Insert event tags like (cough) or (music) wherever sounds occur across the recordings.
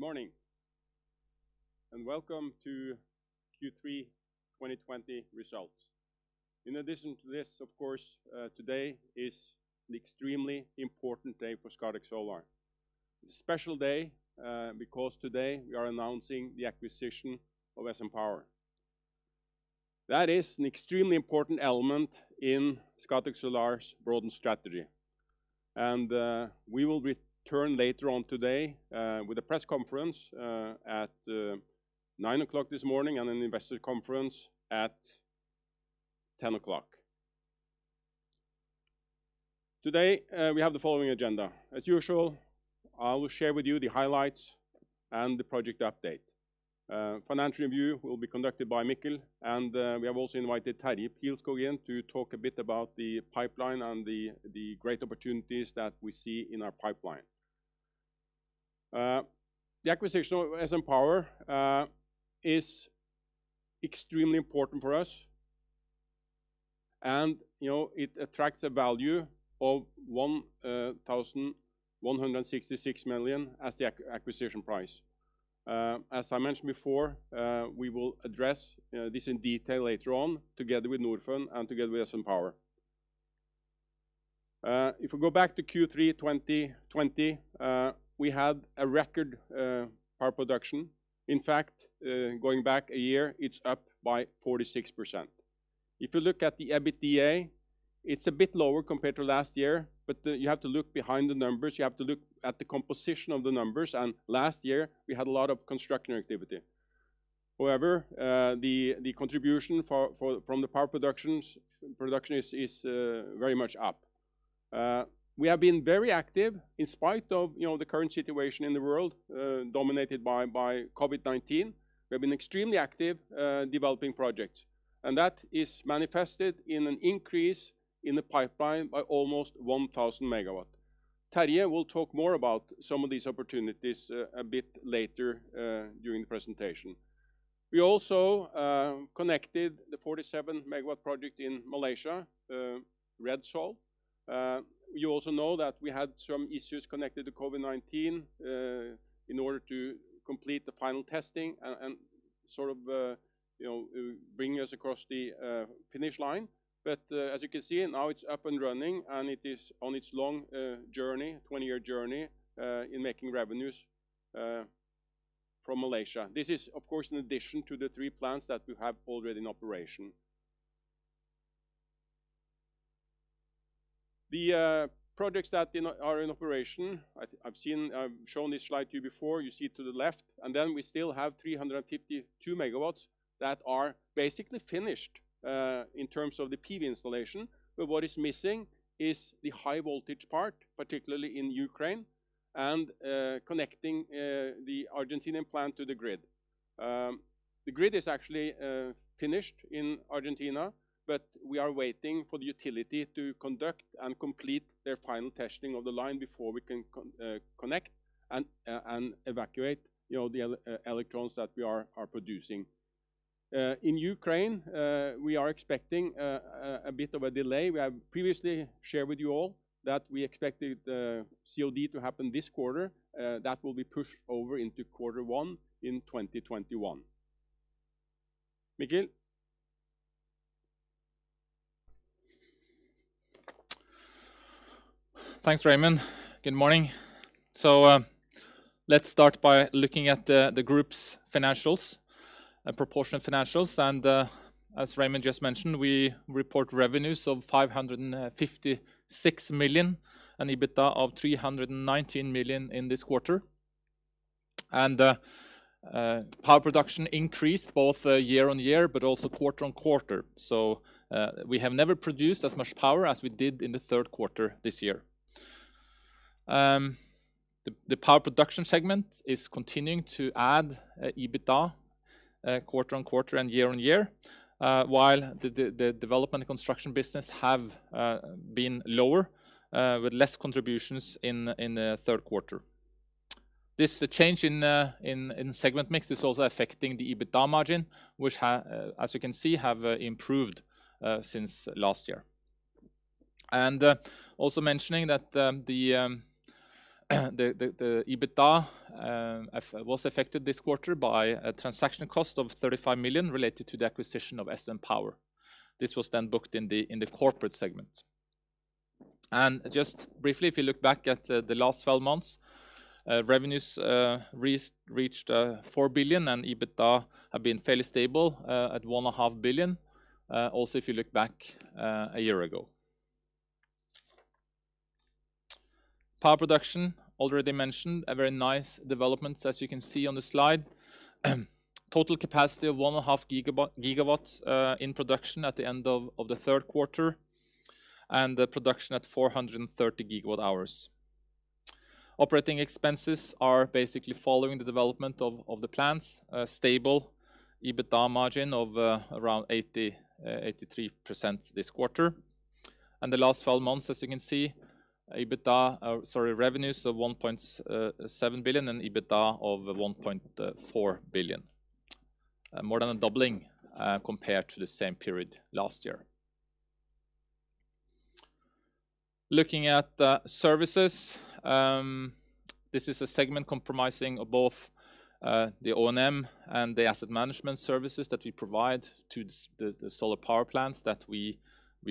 Good morning. Welcome to Q3 2020 results. In addition to this, of course, today is an extremely important day for Scatec Solar. It's a special day because today we are announcing the acquisition of SN Power. That is an extremely important element in Scatec Solar's broadened strategy. We will return later on today with a press conference at 9:00 A.M. and an investor conference at 10:00 A.M. Today, we have the following agenda. As usual, I will share with you the highlights and the project update. Financial review will be conducted by Mikkel, and we have also invited Terje Pilskog in to talk a bit about the pipeline and the great opportunities that we see in our pipeline. The acquisition of SN Power is extremely important for us, and it attracts a value of 1,166 million as the acquisition price. As I mentioned before, we will address this in detail later on together with Norfund and together with SN Power. If we go back to Q3 2020, we had a record power production. In fact, going back a year, it's up by 46%. If you look at the EBITDA, it's a bit lower compared to last year, but you have to look behind the numbers, you have to look at the composition of the numbers, and last year, we had a lot of construction activity. However, the contribution from the power production is very much up. We have been very active in spite of the current situation in the world dominated by COVID-19. We have been extremely active developing projects, and that is manifested in an increase in the pipeline by almost 1,000 MW. Terje will talk more about some of these opportunities a bit later during the presentation. We also connected the 47-megawatt project in Malaysia, Redsol. You also know that we had some issues connected to COVID-19 in order to complete the final testing and bring us across the finish line. As you can see, now it's up and running, and it is on its long journey, 20-year journey, in making revenues from Malaysia. This is, of course, in addition to the three plants that we have already in operation. The projects that are in operation, I've shown this slide to you before. You see it to the left, and then we still have 352 megawatts that are basically finished in terms of the PV installation. What is missing is the high-voltage part, particularly in Ukraine, and connecting the Argentinian plant to the grid. The grid is actually finished in Argentina, but we are waiting for the utility to conduct and complete their final testing of the line before we can connect and evacuate the electrons that we are producing. In Ukraine, we are expecting a bit of a delay. We have previously shared with you all that we expected the COD to happen this quarter. That will be pushed over into quarter one in 2021. Mikkel. Thanks, Raymond. Good morning. Let's start by looking at the group's financials, proportionate financials. As Raymond just mentioned, we report revenues of 556 million and EBITDA of 319 million in this quarter. Power production increased both year-on-year but also quarter-on-quarter. We have never produced as much power as we did in the third quarter this year. The power production segment is continuing to add EBITDA quarter-on-quarter and year-on-year, while the development and construction business have been lower with less contributions in the third quarter. This change in segment mix is also affecting the EBITDA margin, which as you can see, have improved since last year. Also mentioning that the EBITDA was affected this quarter by a transaction cost of 35 million related to the acquisition of SN Power. This was then booked in the corporate segment. Just briefly, if you look back at the last 12 months, revenues reached 4 billion and EBITDA have been fairly stable at 1.5 billion also, if you look back a year ago. Power production, already mentioned, a very nice development as you can see on the slide. Total capacity of 1.5 GW in production at the end of the third quarter and the production at 430 GWh. Operating expenses are basically following the development of the plants. A stable EBITDA margin of around 83% this quarter. The last 12 months, as you can see, revenues of 1.7 billion and EBITDA of 1.4 billion. More than a doubling compared to the same period last year. Looking at services, this is a segment comprising of both the O&M and the asset management services that we provide to the solar power plants that we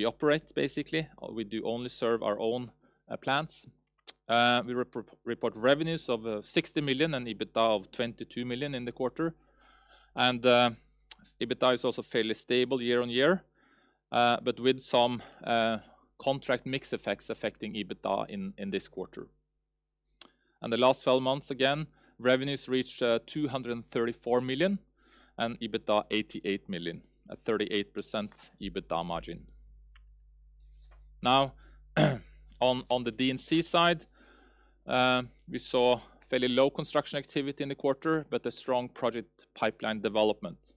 operate, basically. We do only serve our own plants. We report revenues of 60 million and EBITDA of 22 million in the quarter. EBITDA is also fairly stable year-on-year, but with some contract mix effects affecting EBITDA in this quarter. In the last 12 months, again, revenues reached 234 million and EBITDA 88 million, a 38% EBITDA margin. On the D&C side, we saw fairly low construction activity in the quarter, but a strong project pipeline development.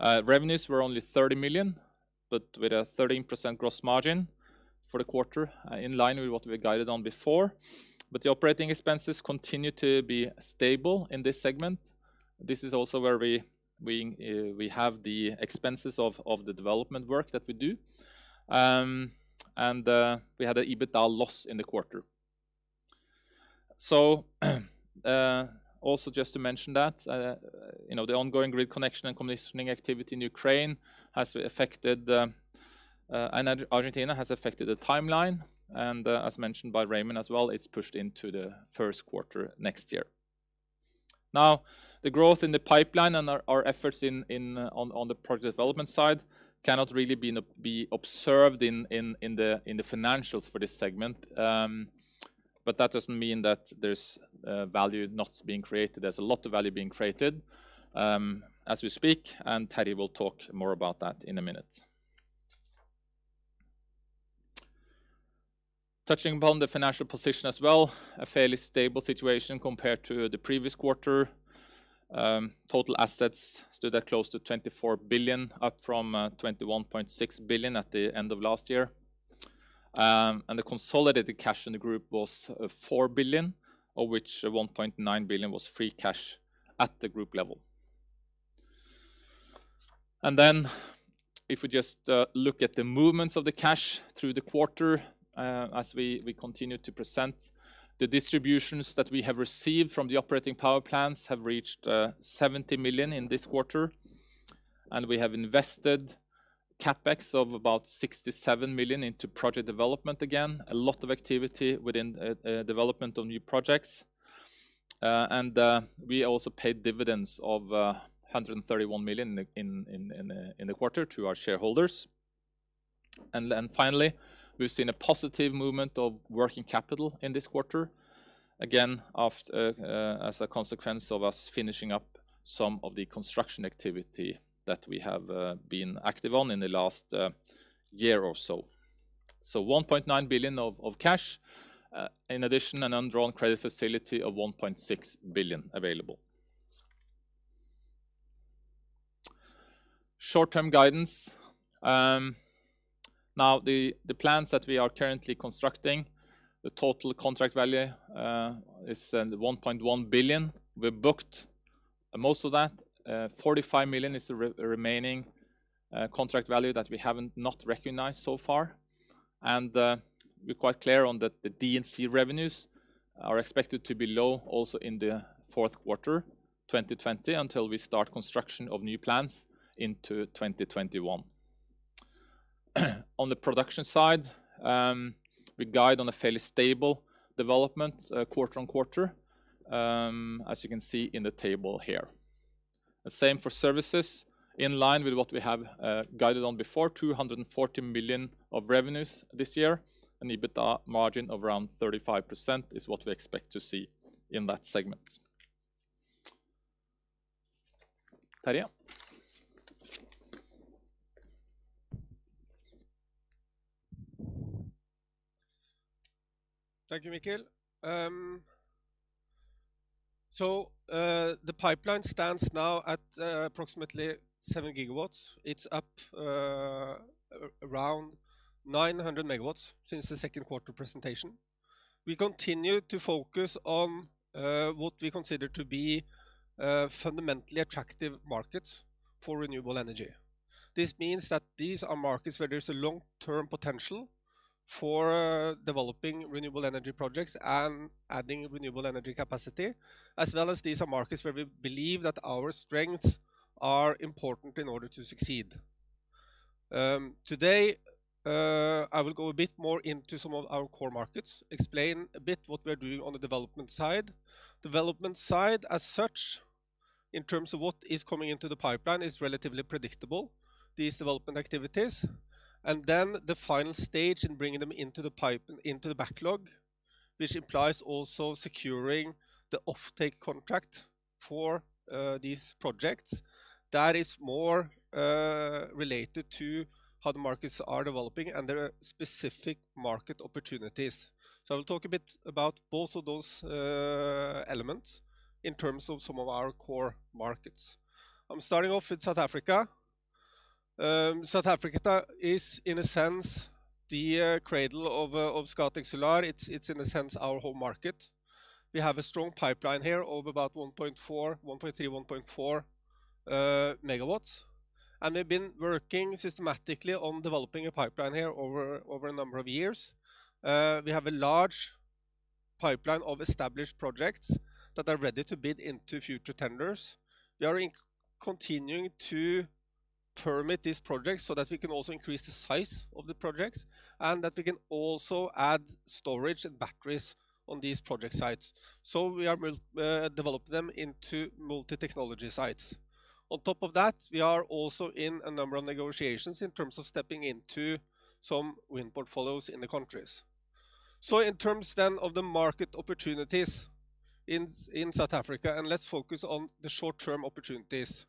Revenues were only 30 million, but with a 13% gross margin for the quarter, in line with what we guided on before. The operating expenses continue to be stable in this segment. This is also where we have the expenses of the development work that we do. We had a EBITDA loss in the quarter. Also just to mention that the ongoing grid connection and commissioning activity in Ukraine and Argentina has affected the timeline, and as mentioned by Raymond as well, it's pushed into the first quarter next year. The growth in the pipeline and our efforts on the project development side cannot really be observed in the financials for this segment. That doesn't mean that there's value not being created. There's a lot of value being created as we speak, and Terje will talk more about that in a minute. Touching upon the financial position as well, a fairly stable situation compared to the previous quarter. Total assets stood at close to 24 billion, up from 21.6 billion at the end of last year. The consolidated cash in the group was 4 billion, of which 1.9 billion was free cash at the group level. If we just look at the movements of the cash through the quarter, as we continue to present, the distributions that we have received from the operating power plants have reached 70 million in this quarter, we have invested CapEx of about 67 million into project development again. A lot of activity within development of new projects. We also paid dividends of 131 million in the quarter to our shareholders. Finally, we've seen a positive movement of working capital in this quarter, again, as a consequence of us finishing up some of the construction activity that we have been active on in the last year or so. 1.9 billion of cash. In addition, an undrawn credit facility of 1.6 billion available. Short-term guidance. The plans that we are currently constructing, the total contract value is 1.1 billion. We booked most of that. 45 million is the remaining contract value that we have not recognized so far. We're quite clear on the D&C revenues are expected to be low also in the fourth quarter 2020 until we start construction of new plants into 2021. On the production side, we guide on a fairly stable development quarter-on-quarter, as you can see in the table here. The same for services. In line with what we have guided on before, 240 million of revenues this year, an EBITDA margin of around 35% is what we expect to see in that segment. Terje. Thank you, Mikkel. The pipeline stands now at approximately seven gigawatts. It's up around 900 megawatts since the second quarter presentation. We continue to focus on what we consider to be fundamentally attractive markets for renewable energy. This means that these are markets where there's a long-term potential for developing renewable energy projects and adding renewable energy capacity, as well as these are markets where we believe that our strengths are important in order to succeed. Today, I will go a bit more into some of our core markets, explain a bit what we are doing on the development side. Development side as such, in terms of what is coming into the pipeline, is relatively predictable, these development activities. The final stage in bringing them into the backlog, which implies also securing the offtake contract for these projects. That is more related to how the markets are developing and their specific market opportunities. I will talk a bit about both of those elements in terms of some of our core markets. I'm starting off with South Africa. South Africa is, in a sense, the cradle of Scatec Solar. It's, in a sense, our home market. We have a strong pipeline here of about (inaudible) megawatts, and we've been working systematically on developing a pipeline here over a number of years. We have a large pipeline of established projects that are ready to bid into future tenders. We are continuing to permit these projects so that we can also increase the size of the projects, and that we can also add storage and batteries on these project sites. We are developing them into multi-technology sites. On top of that, we are also in a number of negotiations in terms of stepping into some wind portfolios in the countries. In terms, then, of the market opportunities in South Africa, let's focus on the short-term opportunities.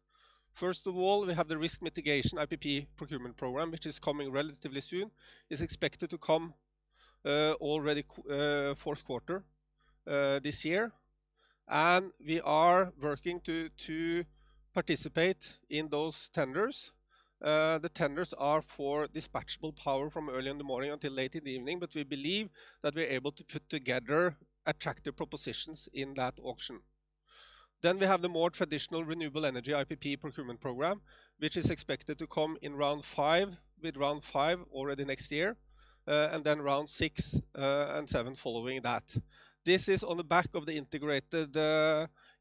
First of all, we have the Risk Mitigation IPP Procurement Programme, which is coming relatively soon. It's expected to come already fourth quarter this year. We are working to participate in those tenders. The tenders are for dispatchable power from early in the morning until late in the evening, but we believe that we're able to put together attractive propositions in that auction. We have the more traditional Renewable Energy IPP Procurement Programme, which is expected to come in round 5, with round 5 already next year, round 6 and 7 following that. This is on the back of the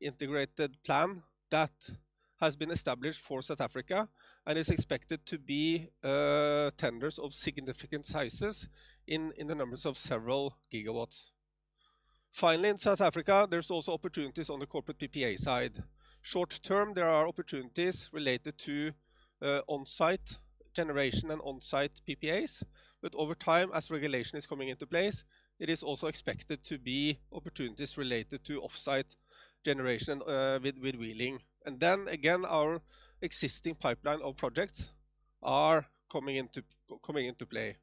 Integrated Plan that has been established for South Africa and is expected to be tenders of significant sizes in the numbers of several gigawatts. In South Africa, there's also opportunities on the corporate PPA side. Short-term, there are opportunities related to on-site generation and on-site PPAs, but over time, as regulation is coming into place, it is also expected to be opportunities related to off-site generation with wheeling. Again, our existing pipeline of projects are coming into play.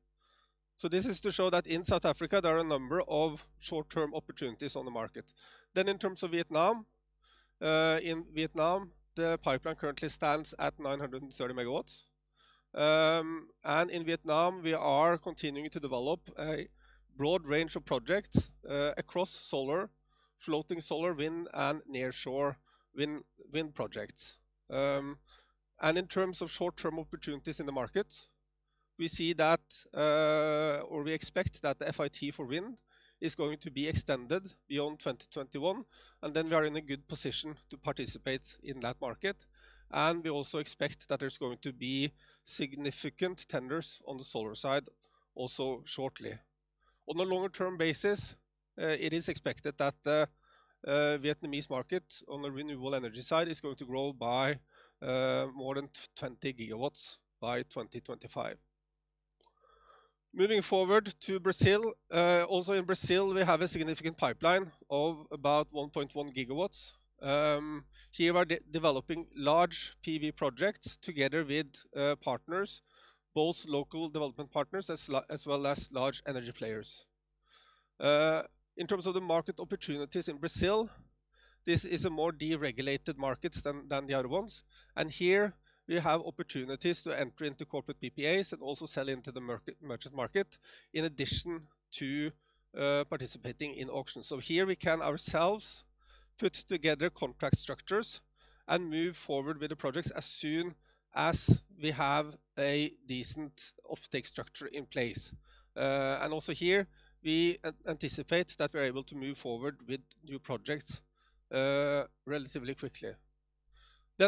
This is to show that in South Africa, there are a number of short-term opportunities on the market. In terms of Vietnam. In Vietnam, the pipeline currently stands at 930 MW. In Vietnam, we are continuing to develop a broad range of projects across solar, floating solar, wind, and nearshore wind projects. In terms of short-term opportunities in the market, we see that, or we expect that the FIT for wind is going to be extended beyond 2021, then we are in a good position to participate in that market. We also expect that there's going to be significant tenders on the solar side also shortly. On a longer-term basis, it is expected that the Vietnamese market on the renewable energy side is going to grow by more than 20 GW by 2025. Moving forward to Brazil. Also in Brazil, we have a significant pipeline of about 1.1 GW. Here we are developing large PV projects together with partners, both local development partners as well as large energy players. In terms of the market opportunities in Brazil, this is a more deregulated market than the other ones, and here we have opportunities to enter into corporate PPAs and also sell into the merchant market, in addition to participating in auctions. Here we can ourselves put together contract structures and move forward with the projects as soon as we have a decent offtake structure in place. Also here, we anticipate that we're able to move forward with new projects relatively quickly.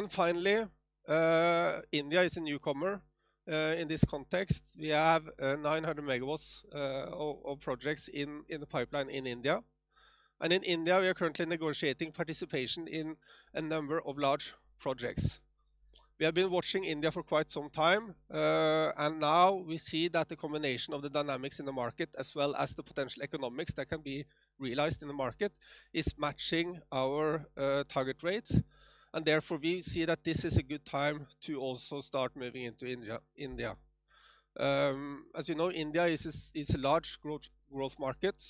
Finally, India is a newcomer in this context. We have 900 MW of projects in the pipeline in India. In India, we are currently negotiating participation in a number of large projects. We have been watching India for quite some time. Now we see that the combination of the dynamics in the market, as well as the potential economics that can be realized in the market, is matching our target rates. Therefore, we see that this is a good time to also start moving into India. As you know, India is a large growth market.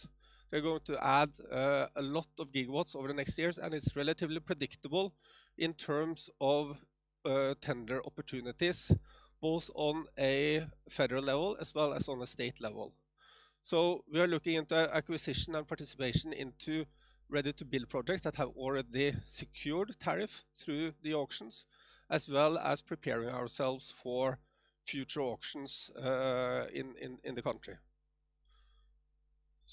They're going to add a lot of gigawatts over the next years. It's relatively predictable in terms of tender opportunities, both on a federal level as well as on a state level. We are looking at acquisition and participation into ready-to-build projects that have already secured tariff through the auctions, as well as preparing ourselves for future auctions in the country.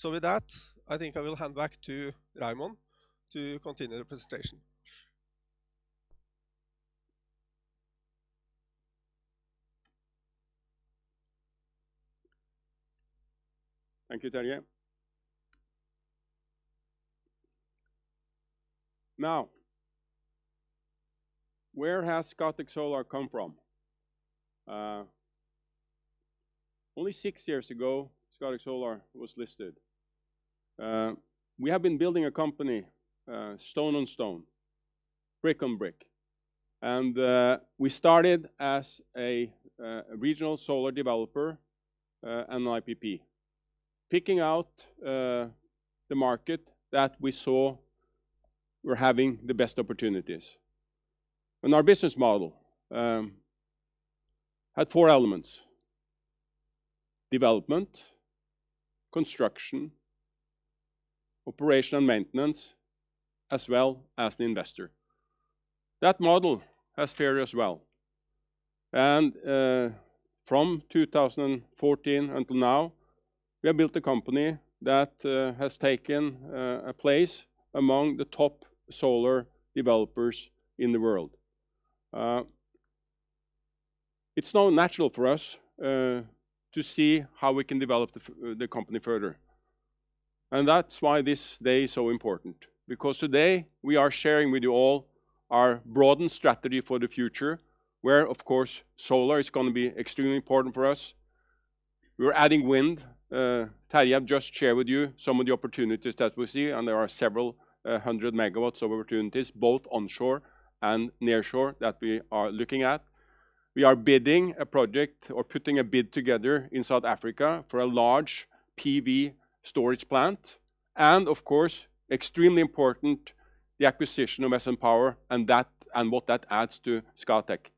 With that, I think I will hand back to Raymond to continue the presentation. Thank you, Terje. Where has Scatec Solar come from? Only six years ago, Scatec Solar was listed. We have been building a company stone on stone, brick on brick. We started as a regional solar developer and IPP, picking out the market that we saw were having the best opportunities. Our business model had four elements. Development, construction, operation and maintenance, as well as the investor. That model has fared us well, and from 2014 until now, we have built a company that has taken a place among the top solar developers in the world. It's now natural for us to see how we can develop the company further and that's why this day is so important because today we are sharing with you all our broadened strategy for the future, where, of course, solar is going to be extremely important for us. We're adding wind. Terje just shared with you some of the opportunities that we see. There are several hundred MW of opportunities, both onshore and nearshore that we are looking at. We are bidding a project or putting a bid together in South Africa for a large PV storage plant. Of course, extremely important, the acquisition of SN Power and what that adds to Scatec.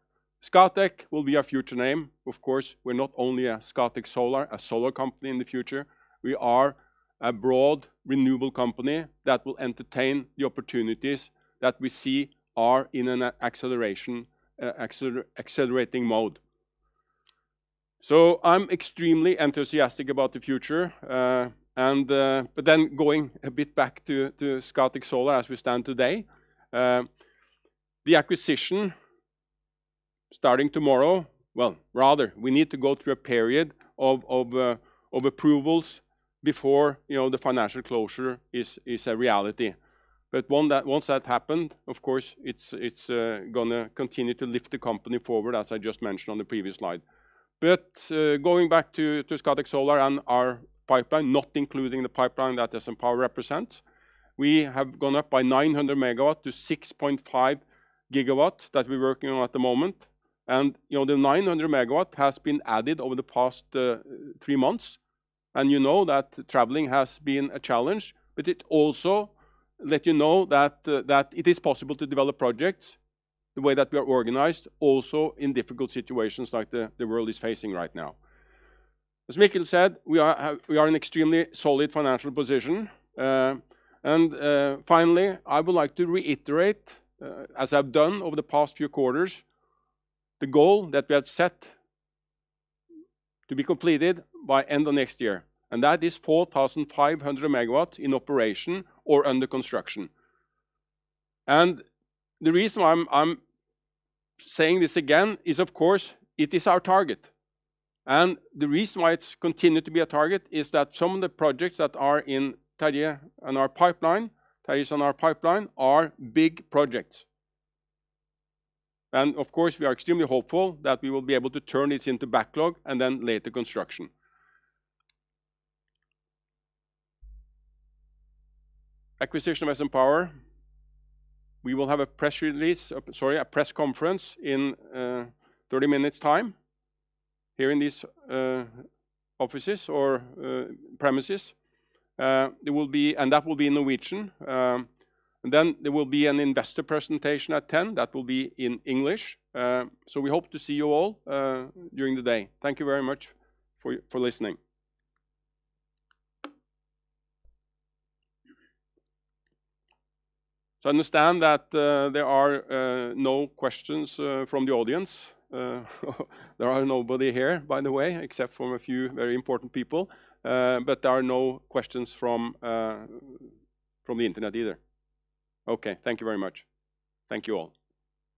Scatec will be our future name. Of course, we're not only a Scatec Solar, a solar company in the future, we are a broad renewable company that will entertain the opportunities that we see are in an accelerating mode. I'm extremely enthusiastic about the future. Going a bit back to Scatec Solar as we stand today. We need to go through a period of approvals before the financial closure is a reality. Once that happened, of course, it's going to continue to lift the company forward, as I just mentioned on the previous slide. Going back to Scatec Solar and our pipeline, not including the pipeline that SN Power represents, we have gone up by 900 MW to 6.5 GW that we're working on at the moment. The 900 MW has been added over the past three months. You know that traveling has been a challenge, but it also let you know that it is possible to develop projects the way that we are organized, also in difficult situations like the world is facing right now. As Mikkel said, we are in extremely solid financial position. Finally, I would like to reiterate as I've done over the past few quarters, the goal that we have set to be completed by end of 2021, and that is 4,500 megawatts in operation or under construction. The reason why I'm saying this again is, of course, it is our target. The reason why it's continued to be a target is that some of the projects that are in Terje and our pipeline are big projects. Of course, we are extremely hopeful that we will be able to turn it into backlog and later construction. Acquisition of SN Power. We will have a press conference in 30 minutes here in these offices or premises and that will be in Norwegian. There will be an investor presentation at 10:00 that will be in English. We hope to see you all during the day. Thank you very much for listening. I understand that there are no questions from the audience. There are nobody here, by the way, except for a few very important people. There are no questions from the internet either. Okay. Thank you very much. Thank you all.